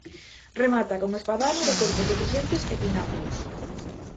Remata con espadana de corpos decrecentes e pináculos.